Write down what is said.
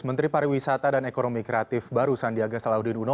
menteri pariwisata dan ekonomi kreatif baru sandiaga salahuddin uno